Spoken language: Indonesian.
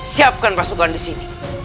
siapkan pasukan di sini